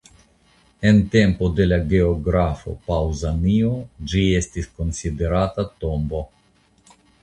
En tempo de la geografo Paŭzanio ĝi estis konsiderata tombo.